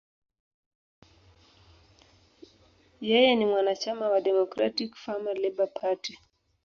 Yeye ni mwanachama wa Democratic–Farmer–Labor Party.